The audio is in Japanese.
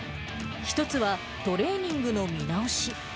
１つは、トレーニングの見直し。